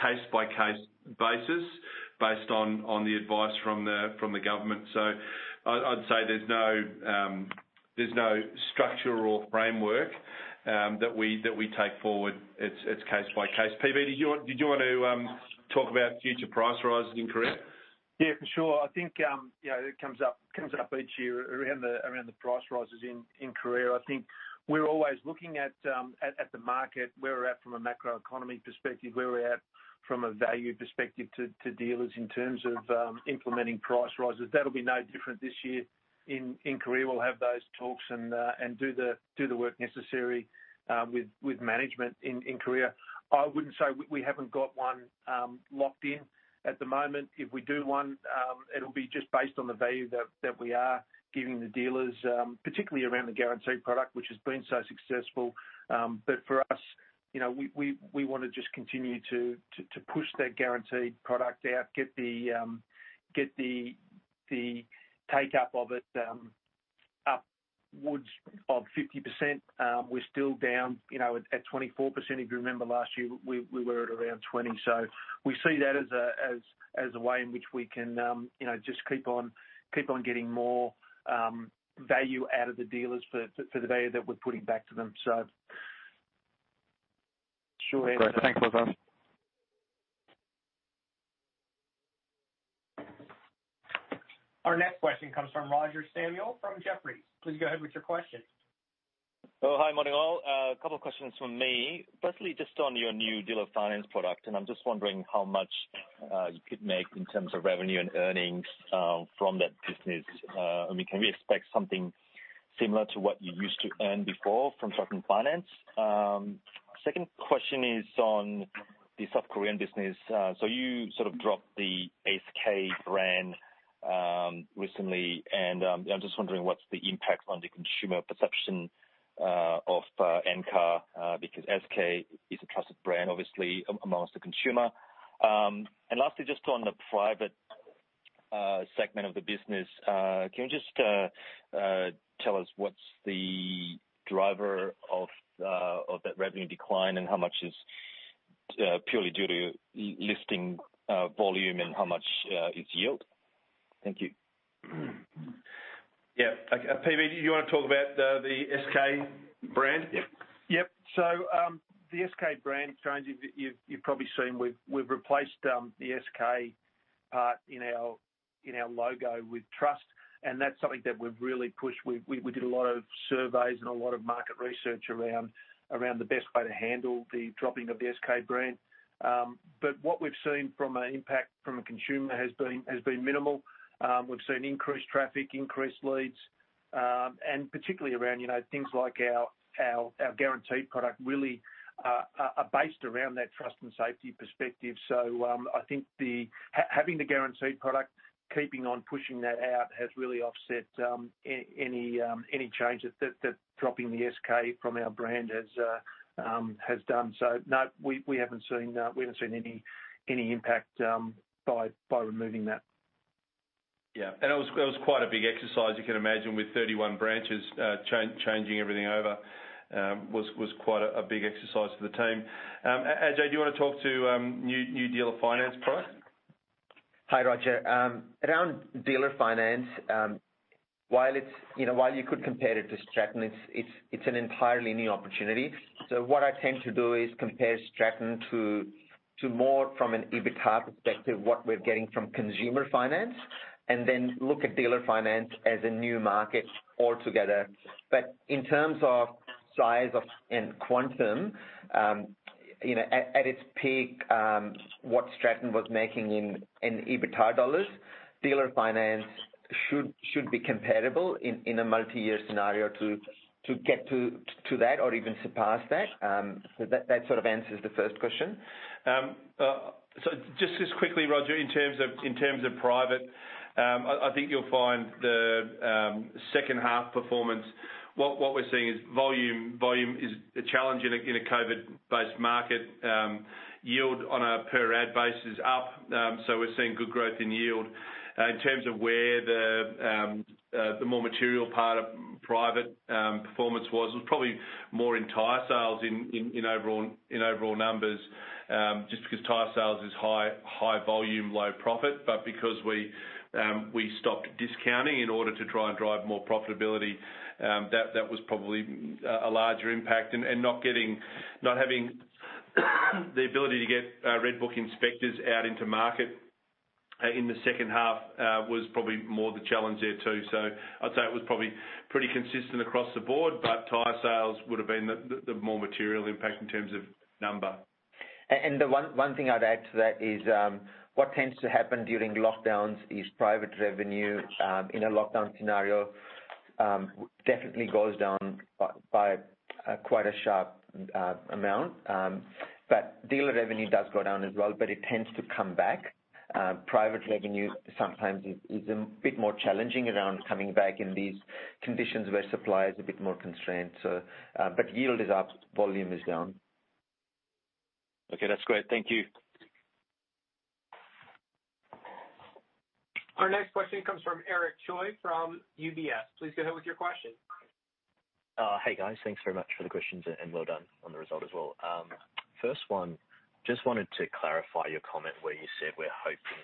case-by-case basis, based on the advice from the government. I'd say there's no structural framework that we take forward. It's case by case. PB, did you want to talk about future price rises in Korea? Yeah, for sure. I think it comes up each year around the price rises in Korea. I think we're always looking at the market, where we're at from a macroeconomy perspective, where we're at from a value perspective to dealers in terms of implementing price rises. That'll be no different this year in Korea. We'll have those talks and do the work necessary with management in Korea. I wouldn't say we haven't got one locked in at the moment. If we do one, it'll be just based on the value that we are giving the dealers, particularly around the guaranteed product, which has been so successful. For us, we want to just continue to push that guaranteed product out, get the take-up of it upwards of 50%. We're still down at 24%. If you remember last year, we were at around 20%. We see that as a way in which we can just keep on getting more value out of the dealers for the value that we're putting back to them. Sure. Great. Thanks, both of them. Our next question comes from Roger Samuel from Jefferies. Please go ahead with your question. Oh, hi, morning all. A couple of questions from me. Firstly, just on your new dealer finance product, and I'm just wondering how much you could make in terms of revenue and earnings from that business. Can we expect something similar to what you used to earn before from Stratton Finance? Second question is on the South Korean business. You sort of dropped the SK brand recently, and I'm just wondering what's the impact on the consumer perception of Encar, because SK is a trusted brand, obviously, amongst the consumer. Lastly, just on the private segment of the business, can you just tell us what's the driver of that revenue decline and how much is purely due to listing volume and how much is yield? Thank you. Yeah. Okay. PB, do you want to talk about the SK brand? Yep. The SK brand change, you've probably seen we've replaced the SK part in our logo with Trust, and that's something that we've really pushed. We did a lot of surveys and a lot of market research around the best way to handle the dropping of the SK brand. What we've seen from an impact from a consumer has been minimal. We've seen increased traffic, increased leads, and particularly around things like our guaranteed product really are based around that Trust and safety perspective. I think having the guaranteed product, keeping on pushing that out, has really offset any change that dropping the SK from our brand has done. No, we haven't seen any impact by removing that. Yeah. It was quite a big exercise, you can imagine, with 31 branches. Changing everything over was quite a big exercise for the team. Ajay, do you want to talk to new dealer finance product? Hi, Roger. Around dealer finance, while you could compare it to Stratton, it's an entirely new opportunity. What I tend to do is compare Stratton to more from an EBITDA perspective, what we're getting from consumer finance, and then look at dealer finance as a new market altogether. In terms of size and quantum, at its peak, what Stratton was making in EBITDA dollars, dealer finance should be comparable in a multi-year scenario to get to that or even surpass that. That sort of answers the first question. Just as quickly, Roger, in terms of private, I think you'll find the second half performance, what we're seeing is volume is a challenge in a COVID-based market. Yield on a per ad basis up, we're seeing good growth in yield. In terms of where the more material part of private performance was probably more in Tyresales in overall numbers, just because Tyresales is high volume, low profit. Because we stopped discounting in order to try and drive more profitability, that was probably a larger impact. Not having the ability to get RedBook inspectors out into market in the second half was probably more the challenge there, too. I'd say it was probably pretty consistent across the board, but Tyresales would've been the more material impact in terms of number. The one thing I'd add to that is, what tends to happen during lockdowns is private revenue in a lockdown scenario definitely goes down by quite a sharp amount. Dealer revenue does go down as well, but it tends to come back. Private revenue sometimes is a bit more challenging around coming back in these conditions where supply is a bit more constrained. Yield is up, volume is down. Okay, that's great. Thank you. Our next question comes from Eric Choi from UBS. Please go ahead with your question. Hey, guys. Thanks very much for the questions, and well done on the result as well. First one, just wanted to clarify your comment where you said we're hoping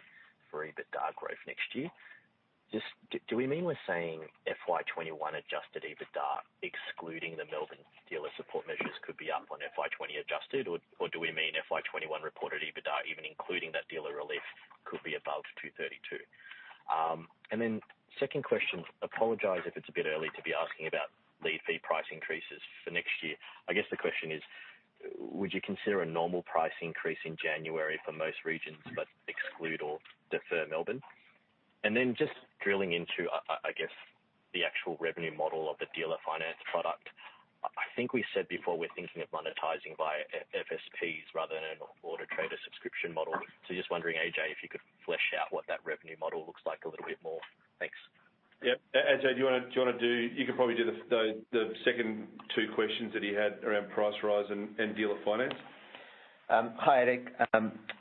for EBITDA growth next year. Do we mean we're saying FY21 adjusted EBITDA, excluding the Melbourne dealer support measures could be up on FY20 adjusted, or do we mean FY21 reported EBITDA, even including that dealer relief could be above 232? Second question, apologize if it's a bit early to be asking about lead fee price increases for next year. I guess the question is, would you consider a normal price increase in January for most regions but exclude or defer Melbourne? Just drilling into, I guess, the actual revenue model of the dealer finance product. I think we said before we're thinking of monetizing via FSPs rather than an AutoTrader subscription model. Just wondering, AJ, if you could flesh out what that revenue model looks like a little bit more? Thanks. Yep. Ajay, you could probably do the second two questions that he had around price rise and dealer finance. Hi, Eric.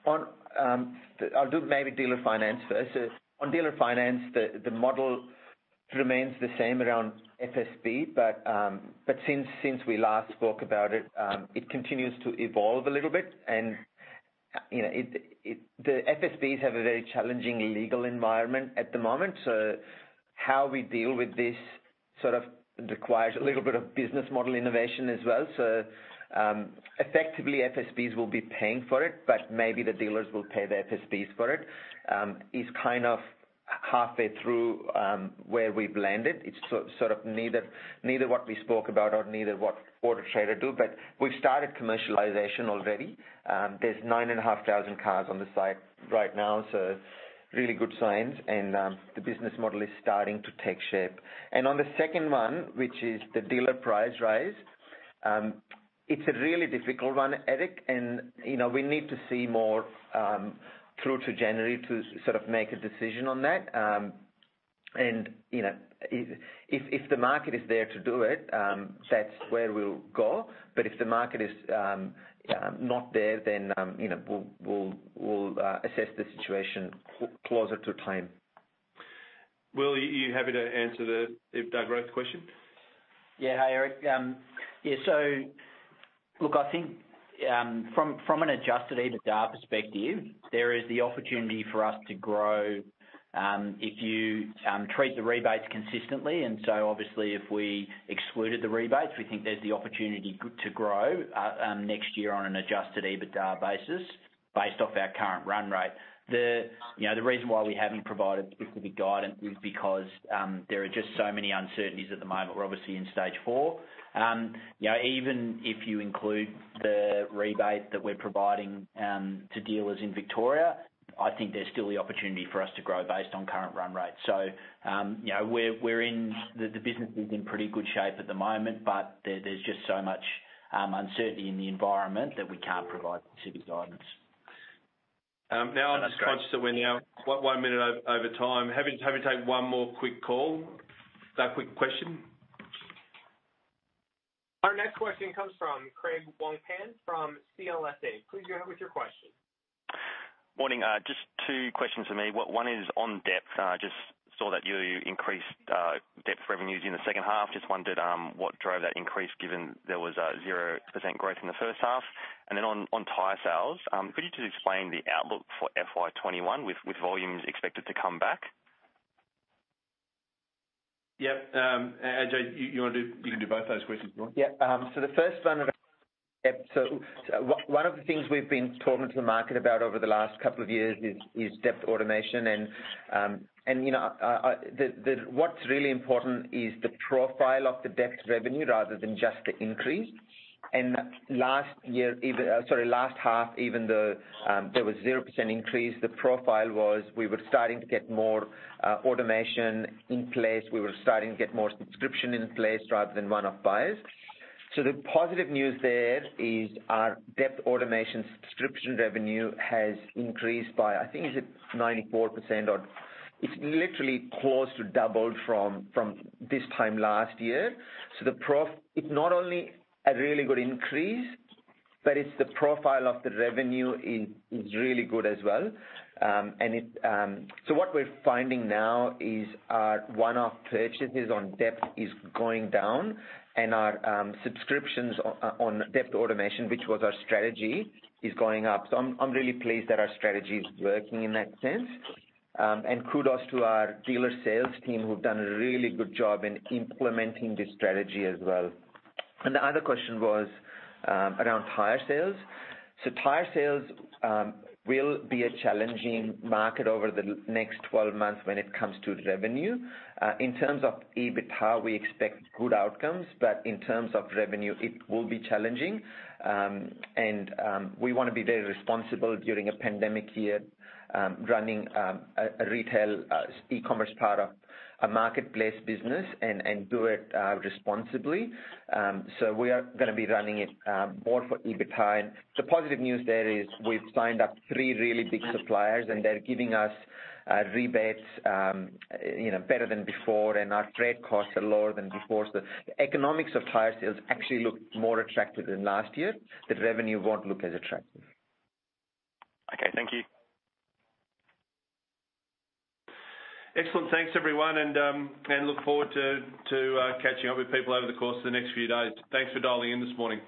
I'll do maybe dealer finance first. On dealer finance, the model remains the same around FSP. Since we last spoke about it continues to evolve a little bit. The FSPs have a very challenging legal environment at the moment. How we deal with this sort of requires a little bit of business model innovation as well. Effectively, FSPs will be paying for it, but maybe the dealers will pay the FSPs for it. It's kind of halfway through where we've landed. It's sort of neither what we spoke about or neither what AutoTrader do. We've started commercialization already. There's 9,500 cars on the site right now, so really good signs. The business model is starting to take shape. On the second one, which is the dealer price rise, it's a really difficult one, Eric. We need to see more through to January to sort of make a decision on that. If the market is there to do it, that's where we'll go. If the market is not there, then we'll assess the situation closer to time. William Elliott, are you happy to answer the EBITDA growth question? Hi, Eric. I think from an adjusted EBITDA perspective, there is the opportunity for us to grow if you treat the rebates consistently. Obviously, if we excluded the rebates, we think there's the opportunity to grow next year on an adjusted EBITDA basis, based off our current run rate. The reason why we haven't provided specific guidance is because there are just so many uncertainties at the moment. We're obviously in Stage 4. Even if you include the rebate that we're providing to dealers in Victoria, I think there's still the opportunity for us to grow based on current run rate. The business is in pretty good shape at the moment, but there's just so much uncertainty in the environment that we can't provide specific guidance. I'm just conscious that we're now one minute over time. Happy to take one more quick call. Is that a quick question? Our next question comes from Craig Wong-Pan from CLSA. Please go ahead with your question. Morning. Just 2 questions from me. One is on depth. I just saw that you increased depth revenues in the second half. Just wondered what drove that increase, given there was a 0% growth in the first half. On Tyresales, could you just explain the outlook for FY 2021 with volumes expected to come back? Yep. Ajay, you can do both those questions if you want. Yep. The first one of the things we've been talking to the market about over the last couple of years is depth automation. What's really important is the profile of the depth revenue rather than just the increase. Last half, even though there was 0% increase, the profile was we were starting to get more automation in place. We were starting to get more subscription in place rather than one-off buyers. The positive news there is our depth automation subscription revenue has increased by, I think, is it 94%? Or it's literally close to doubled from this time last year. It's not only a really good increase, but it's the profile of the revenue is really good as well. What we're finding now is our one-off purchases on depth is going down, and our subscriptions on depth automation, which was our strategy, is going up. I'm really pleased that our strategy is working in that sense. Kudos to our dealer sales team, who've done a really good job in implementing this strategy as well. The other question was around Tyresales. Tyresales will be a challenging market over the next 12 months when it comes to revenue. In terms of EBIT, how we expect good outcomes, but in terms of revenue, it will be challenging. We want to be very responsible during a pandemic year running a retail e-commerce part of a marketplace business and do it responsibly. We are going to be running it more for EBITDA. The positive news there is we've signed up three really big suppliers, and they're giving us rebates better than before, and our freight costs are lower than before. The economics of Tyresales actually look more attractive than last year. The revenue won't look as attractive. Okay, thank you. Excellent. Thanks, everyone. Look forward to catching up with people over the course of the next few days. Thanks for dialing in this morning.